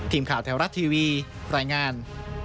ทีมข่าวแถวรัฐทีวีรายงาน